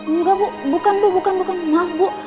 enggak bu bukan bu maaf bu